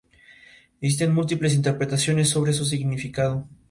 Fue sustituido como jefe de inteligencia por Lafayette Baker.